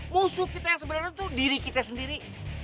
musuh kita yang sebenarnya itu diri kita sendiri